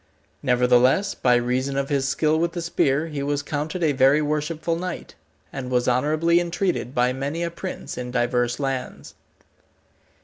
Nevertheless, by reason of his skill with the spear, he was counted a very worshipful knight, and was honourably entreated by many a prince in divers lands.